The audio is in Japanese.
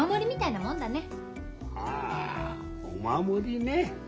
ああお守りね。